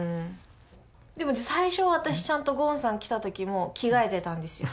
でも最初は私ちゃんとゴンさん来た時も着替えてたんですよ。